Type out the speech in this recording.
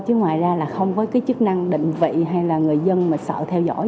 chứ ngoài ra là không có cái chức năng định vị hay là người dân mà sợ theo dõi